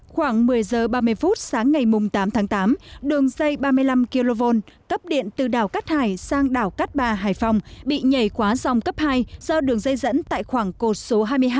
khoảng một mươi h ba mươi phút sáng ngày tám tháng tám đường dây ba mươi năm kv cấp điện từ đảo cát hải sang đảo cát bà hải phòng bị nhảy quá dòng cấp hai do đường dây dẫn tại khoảng cột số hai mươi hai